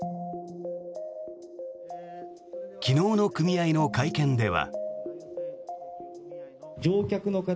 昨日の組合の会見では。